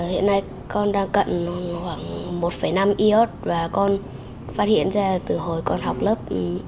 hiện nay con đang cận khoảng một năm iot và con phát hiện ra từ hồi con học lớp